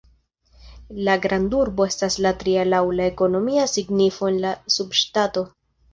La grandurbo estas la tria laŭ la ekonomia signifo en la subŝtato.